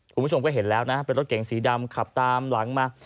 คุณผู้ชมก็เห็นแล้วนะเป็นรถเก๋งสีดำขับตามหลังมา